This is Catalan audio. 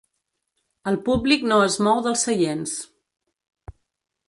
El públic no es mou dels seients.